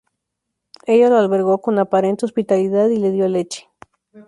Ella lo albergó con aparente hospitalidad y le dio leche.